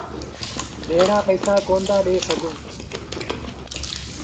ڀيڙآ پئيٚسآ ڪونا دآ ڏي سگھون۔